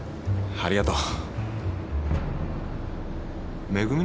ありがとう。